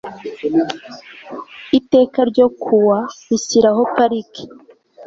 Iteka ryo ku wa rishyiraho Pariki